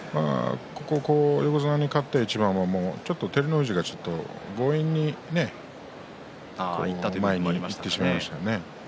横綱に勝った一番は照ノ富士がちょっと強引に前にいってしまいましたよね。